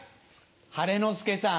晴の輔さん